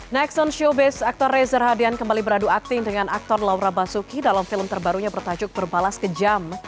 nexon showbiz aktor reza radian kembali beradu akting dengan aktor laura basuki dalam film terbarunya bertajuk berbalas kejam